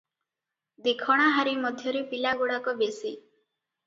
ଦେଖଣାହାରୀ ମଧ୍ୟରେ ପିଲାଗୁଡାକ ବେଶି ।